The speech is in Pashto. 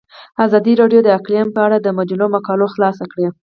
ازادي راډیو د اقلیم په اړه د مجلو مقالو خلاصه کړې.